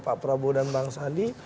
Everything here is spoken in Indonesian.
pak prabowo dan bang sandi